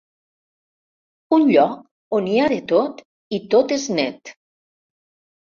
Un lloc on hi ha de tot i tot és net.